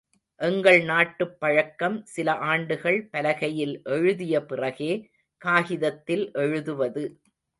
எங்கள் நாட்டுப் பழக்கம், சில ஆண்டுகள் பலகையில் எழுதிய பிறகே, காகிதத்தில் எழுதுவது.